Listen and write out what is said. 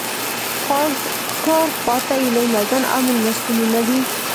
ښار خواته یې لوی میدان او مېلمستونونه دي.